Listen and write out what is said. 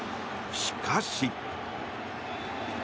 しかし。